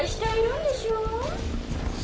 ん？